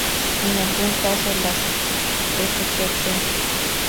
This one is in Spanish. En algún caso, las spp.